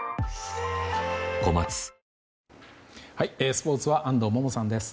スポーツは安藤萌々さんです。